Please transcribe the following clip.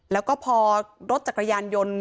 แล้วก็พอรถจักรยานยนต์